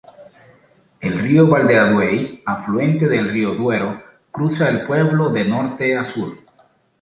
El río Valderaduey, afluente del río Duero, cruza el pueblo de norte a sur.